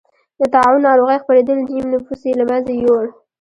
د طاعون ناروغۍ خپرېدل نییم نفوس یې له منځه یووړ.